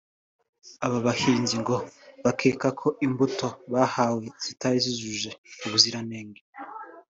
Aba bahinzi ngo bakeka ko imbuto bahawe zitari zujuje ubuziranenge